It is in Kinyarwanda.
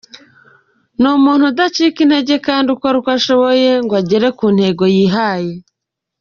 Ni umuntu udacika intege kandi ukora uko ashoboye ngo agere ku ntego yihaye .